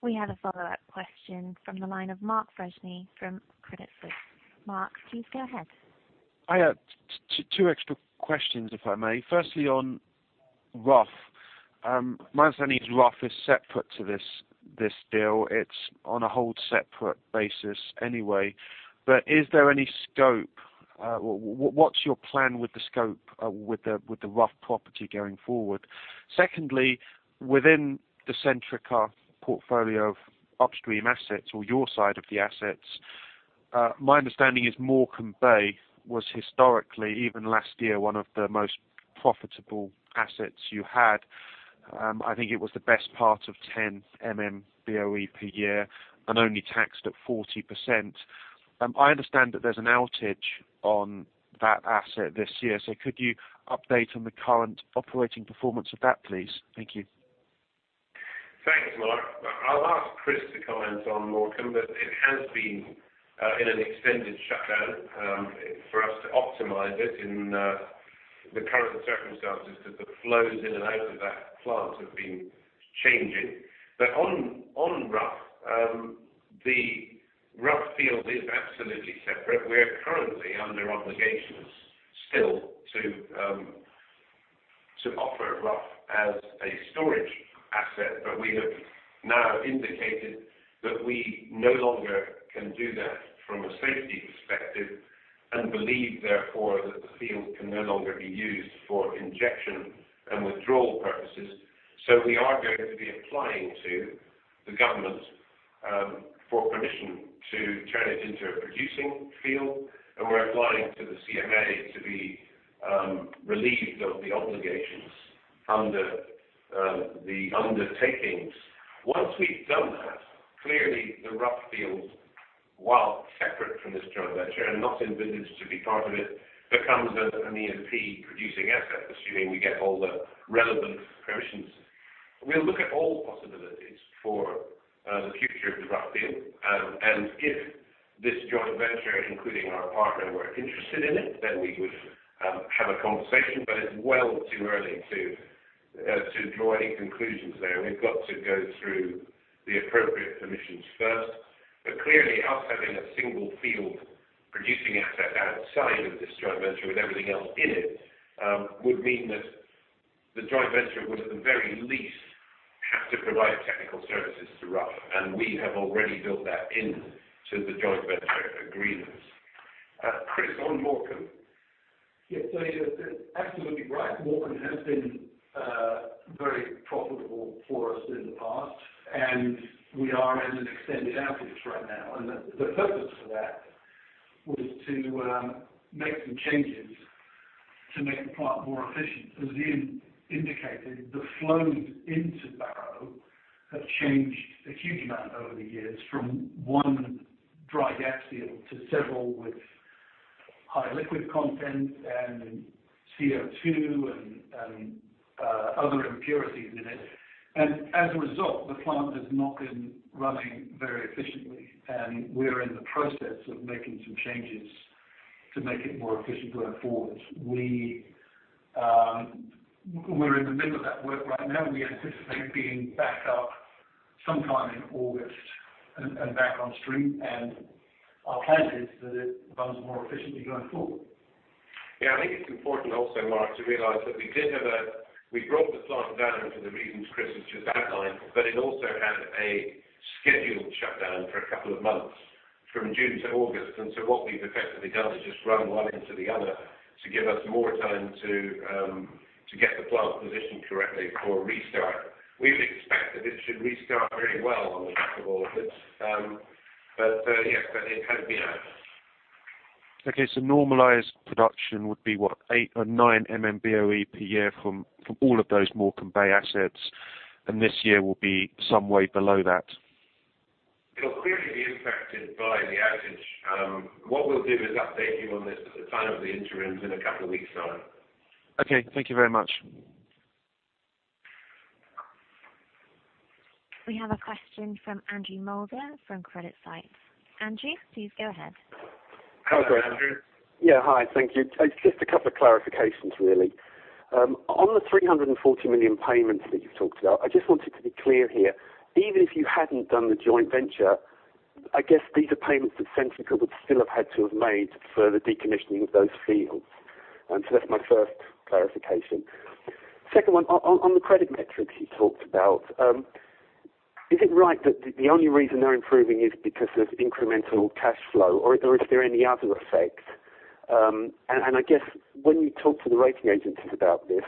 We have a follow-up question from the line of Mark Freshney from Credit Suisse. Mark, please go ahead. I have two extra questions, if I may. Firstly, on Rough. My understanding is Rough is separate to this deal. It's on a hold separate basis anyway. Is there any scope? What's your plan with the scope with the Rough property going forward? Secondly, within the Centrica portfolio of upstream assets or your side of the assets, my understanding is Morecambe Bay was historically, even last year, one of the most profitable assets you had. I think it was the best part of 10 MMBOE per year and only taxed at 40%. I understand that there's an outage on that asset this year. Could you update on the current operating performance of that, please? Thank you. Thanks, Mark. I'll ask Chris to comment on Morecambe, but it has been in an extended shutdown for us to optimize it in the current circumstances because the flows in and out of that plant have been changing. On Rough, the Rough field is absolutely separate. We are currently under obligations still to offer Rough as a storage asset. We have now indicated that we no longer can do that from a safety perspective, and believe therefore, that the field can no longer be used for injection and withdrawal purposes. We are going to be applying to the government for permission to turn it into a producing field, and we're applying to the CMA to be relieved of the obligations under the undertakings. Once we've done that, clearly the Rough field, while separate from this joint venture and not envisaged to be part of it, becomes an E&P producing asset, assuming we get all the relevant permissions. We'll look at all possibilities for the future of the Rough field. If this joint venture, including our partner, were interested in it, then we would have a conversation, it's well too early to draw any conclusions there. We've got to go through the appropriate permissions first. Clearly, us having a single field producing asset outside of this joint venture with everything else in it, would mean that the joint venture would, at the very least, have to provide technical services to Rough, and we have already built that into the joint venture agreement. Chris? On Morecambe. Yes. You're absolutely right. Morecambe has been very profitable for us in the past, we are in an extended outage right now. The purpose for that was to make some changes to make the plant more efficient. As Iain indicated, the flows into Barrow have changed a huge amount over the years, from one dry gas field to several with high liquid content and CO2 and other impurities in it. As a result, the plant has not been running very efficiently, we're in the process of making some changes to make it more efficient going forward. We're in the middle of that work right now. We anticipate being back up sometime in August and back on stream, our plan is that it runs more efficiently going forward. Yeah, I think it's important also, Mark, to realize that we brought the plant down for the reasons Chris has just outlined, it also had a scheduled shutdown for a couple of months from June to August. What we've effectively done is just run one into the other to give us more time to get the plant positioned correctly for a restart. We would expect that it should restart very well on the back of all of this. Yes, it has been out. Okay. Normalized production would be what? Eight or nine MMBOE per year from all of those Morecambe Bay assets, this year will be some way below that. It'll clearly be impacted by the outage. What we'll do is update you on this at the time of the interims in a couple of weeks' time. Okay. Thank you very much. We have a question from Andrew Mulgrew from CreditSights. Andrew, please go ahead. Hello, Andrew. Yeah. Hi. Thank you. It's just a couple of clarifications really. On the 340 million payments that you've talked about, I just wanted to be clear here. Even if you hadn't done the joint venture, I guess these are payments that Centrica would still have had to have made for the decommissioning of those fields. That's my first clarification. Second one, on the credit metrics you talked about. Is it right that the only reason they're improving is because of incremental cash flow, or is there any other effect? I guess, when you talk to the rating agencies about this,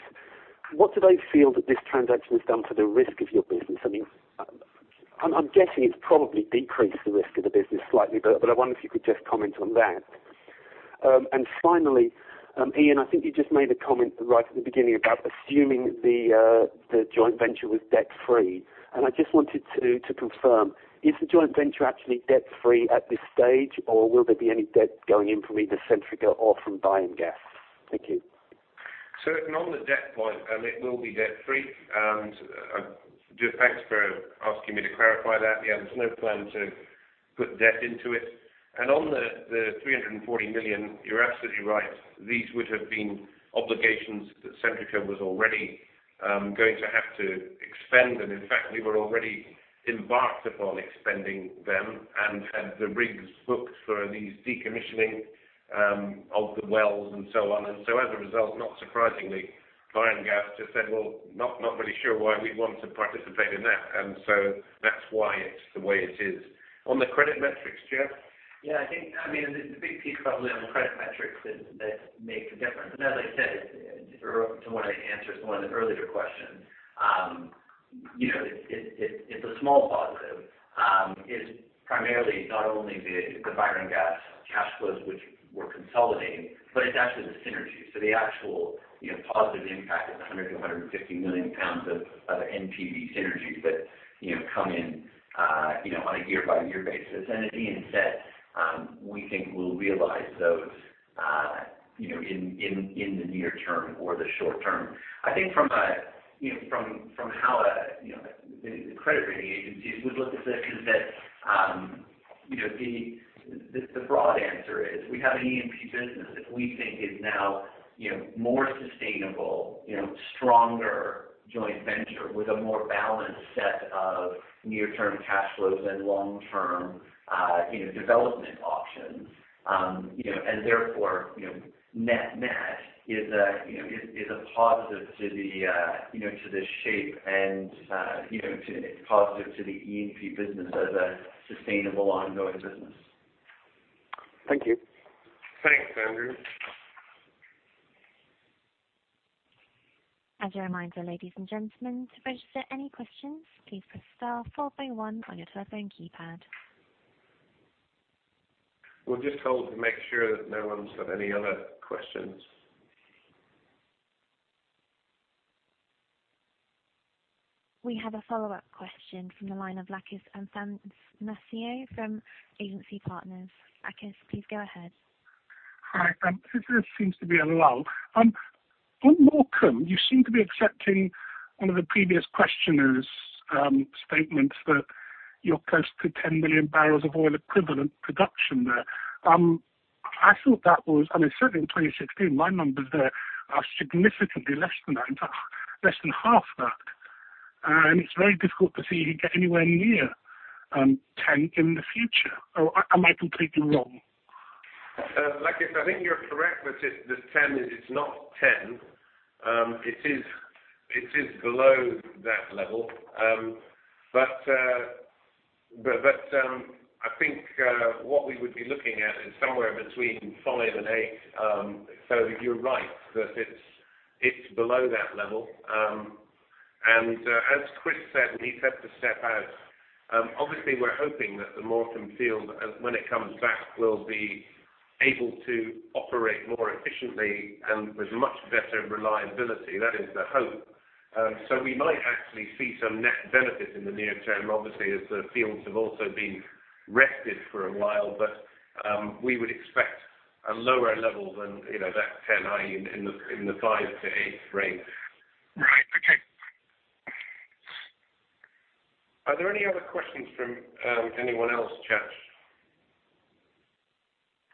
what do they feel that this transaction has done for the risk of your business? I mean, I'm guessing it's probably decreased the risk of the business slightly, but I wonder if you could just comment on that. Finally, Iain, I think you just made a comment right at the beginning about assuming the joint venture was debt-free. I just wanted to confirm, is the joint venture actually debt-free at this stage, or will there be any debt going in from either Centrica or from Bayerngas? Thank you. On the debt point, it will be debt-free. Jeff, thanks for asking me to clarify that. Yeah, there's no plan to put debt into it. On the 340 million, you're absolutely right. These would have been obligations that Centrica was already going to have to expend. In fact, we were already embarked upon expending them and had the rigs booked for these decommissioning of the wells and so on. As a result, not surprisingly, Bayerngas just said, "Well, not really sure why we'd want to participate in that." That's why it's the way it is. On the credit metrics, Jeff? Yeah. I think, the big piece probably on the credit metrics that makes a difference, and as I said, to refer to one of the answers to one of the earlier questions. It's a small positive. It is primarily not only the Bayerngas cash flows which we're consolidating, but it's actually the synergy. The actual positive impact of 100 million-150 million pounds of NPV synergies that come in on a year-by-year basis. As Iain said, we think we'll realize those in the near term or the short term. I think from how the credit rating agencies would look at this is that, the broad answer is we have an E&P business that we think is now more sustainable, stronger joint venture with a more balanced set of near-term cash flows and long-term development options. Therefore, net-net is a positive to the shape and positive to the E&P business as a sustainable ongoing business. Thank you. Thanks, Andrew. As a reminder, ladies and gentlemen, to register any questions, please press star 431 on your telephone keypad. We'll just hold to make sure that no one's got any other questions. We have a follow-up question from the line of Lakis Athanasiou from Agency Partners. Lakis, please go ahead. Hi. Since there seems to be a lull. On Morecambe, you seem to be accepting one of the previous questioner's statements that you're close to 10 million barrels of oil equivalent production there. I thought that was, certainly in 2016, my numbers there are significantly less than that, in fact, less than half that. It's very difficult to see you get anywhere near 10 in the future. Am I completely wrong? Lakis, I think you're correct that this 10, it's not 10. It is below that level. I think what we would be looking at is somewhere between 5 and 8. You're right, that it's below that level. As Chris said when he took himself out, obviously we're hoping that the Morecambe field, when it comes back, will be able to operate more efficiently and with much better reliability. That is the hope. We might actually see some net benefit in the near term, obviously, as the fields have also been rested for a while. We would expect a lower level than that 10, i.e., in the 5 to 8 range. Right. Okay. Are there any other questions from anyone else,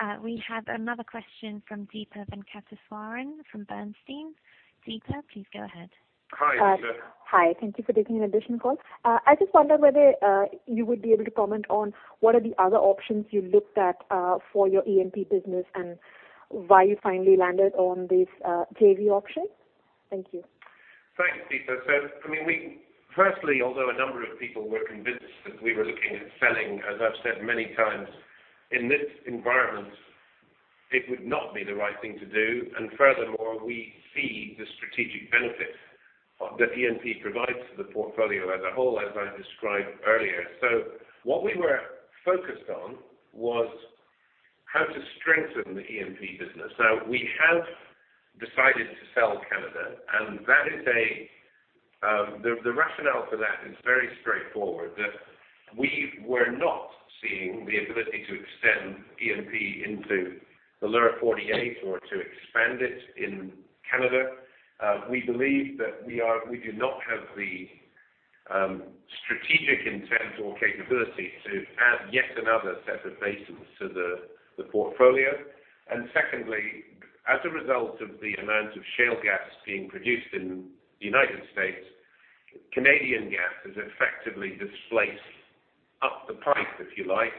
Katya? We have another question from Deepa Venkateswaran from Bernstein. Deepa, please go ahead. Hi, Deepa. Hi. Thank you for taking an additional call. I just wonder whether you would be able to comment on what are the other options you looked at for your E&P business and why you finally landed on this JV option. Thank you. Thanks, Deepa. Firstly, although a number of people were convinced that we were looking at selling, as I've said many times, in this environment, it would not be the right thing to do. Furthermore, we see the strategic benefit that E&P provides to the portfolio as a whole, as I described earlier. What we were focused on was how to strengthen the E&P business. We have decided to sell Canada, and the rationale for that is very straightforward. That we were not seeing the ability to extend E&P into the lower 48 or to expand it in Canada. We believe that we do not have the strategic intent or capability to add yet another set of basins to the portfolio. Secondly, as a result of the amount of shale gas being produced in the U.S., Canadian gas has effectively displaced up the pipe, if you like,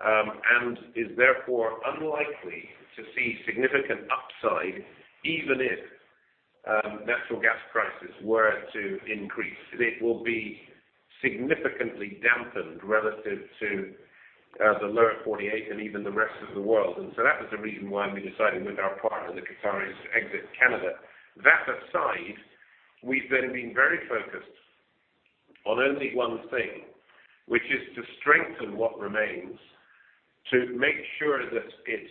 and is therefore unlikely to see significant upside, even if natural gas prices were to increase. It will be significantly dampened relative to the lower 48 and even the rest of the world. That was the reason why we decided, with our partner, Qatargas, to exit Canada. That aside, we've then been very focused on only one thing, which is to strengthen what remains, to make sure that it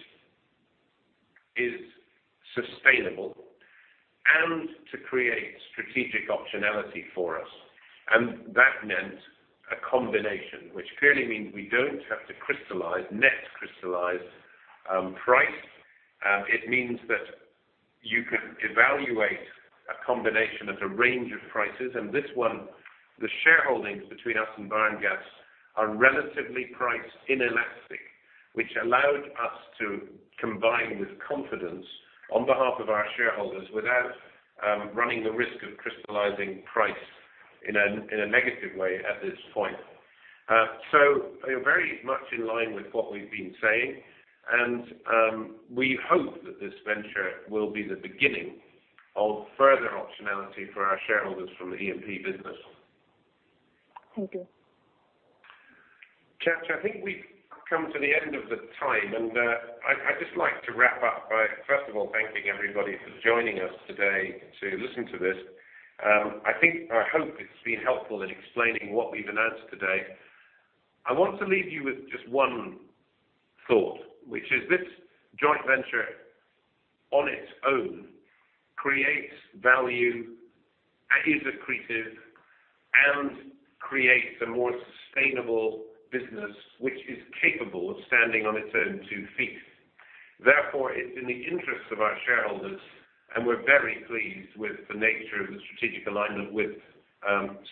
is sustainable and to create strategic optionality for us. That meant a combination, which clearly means we don't have to crystallize, net crystallize price. It means that you can evaluate a combination at a range of prices. This one, the shareholdings between us and Bayerngas are relatively price inelastic, which allowed us to combine with confidence on behalf of our shareholders without running the risk of crystallizing price in a negative way at this point. Very much in line with what we've been saying, and we hope that this venture will be the beginning of further optionality for our shareholders from the E&P business. Thank you. Katya, I think we've come to the end of the time. I'd just like to wrap up by, first of all, thanking everybody for joining us today to listen to this. I hope it's been helpful in explaining what we've announced today. I want to leave you with just one thought, which is this joint venture on its own creates value, is accretive, and creates a more sustainable business which is capable of standing on its own two feet. Therefore, it's in the interests of our shareholders, and we're very pleased with the nature of the strategic alignment with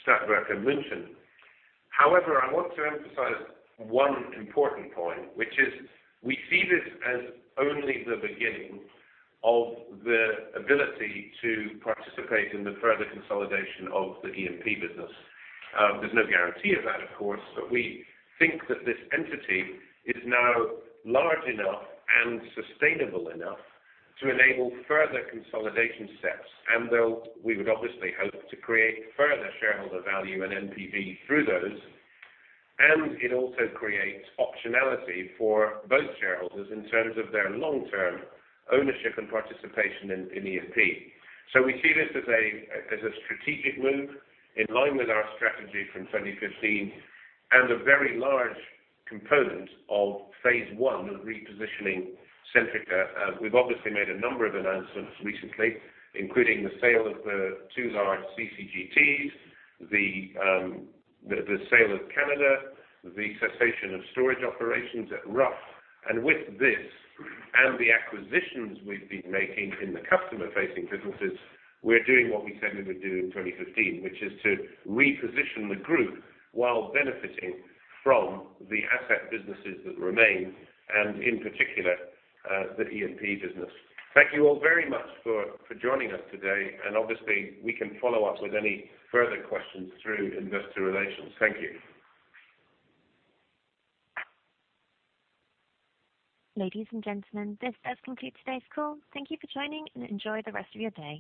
Statkraft and Lundin. I want to emphasize one important point, which is we see this as only the beginning of the ability to participate in the further consolidation of the E&P business. There's no guarantee of that, of course. We think that this entity is now large enough and sustainable enough to enable further consolidation steps. We would obviously hope to create further shareholder value and NPV through those. It also creates optionality for both shareholders in terms of their long-term ownership and participation in E&P. We see this as a strategic move in line with our strategy from 2015 and a very large component of phase one of repositioning Centrica. We've obviously made a number of announcements recently, including the sale of the two large CCGTs, the sale of Canada, the cessation of storage operations at Rough. With this and the acquisitions we've been making in the customer-facing businesses, we're doing what we said we would do in 2015, which is to reposition the group while benefiting from the asset businesses that remain, and in particular, the E&P business. Thank you all very much for joining us today, and obviously, we can follow up with any further questions through investor relations. Thank you. Ladies and gentlemen, this does conclude today's call. Thank you for joining, and enjoy the rest of your day.